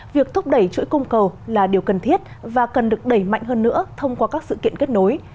việc thúc đẩy chuỗi cung cầu là điều cần thiết và cần được đẩy mạnh hơn nữa thông qua các sự kiện kết nối